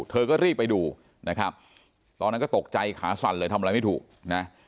เธอก็รีบไปดูนะครับตอนนั้นก็ตกใจขาสั่นเลยทำอะไรไม่ถูกนะ